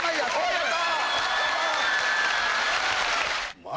やった！